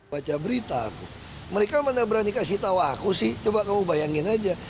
baca berita aku mereka mana berani kasih tahu aku sih coba kamu bayangin aja